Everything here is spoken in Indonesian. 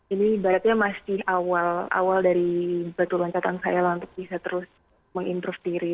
ini beratnya masih awal awal dari betul loncatan saya lah untuk bisa terus menginterview diri